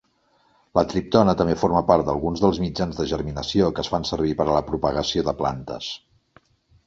La triptona també forma part d'alguns dels mitjans de germinació que es fan servir per a la propagació de plantes.